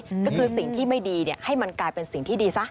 ก็คือสิ่งที่ไม่ดีเนี่ยให้มันกลายเป็นสิ่งที่ดีซะ